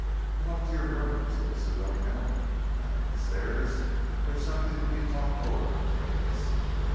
"Come up to your room," said the pseudo count, mounting the stairs; "there's something to be talked over between us."